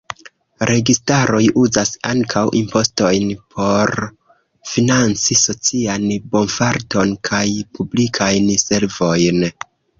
Registaroj uzas ankaŭ impostojn por financi socian bonfarton kaj publikajn servojn.